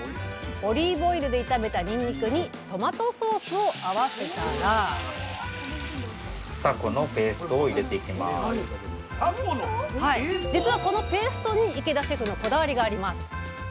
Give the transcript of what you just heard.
オリーブオイルで炒めたにんにくにトマトソースを合わせたら実はこのペーストに池田シェフのこだわりがあります。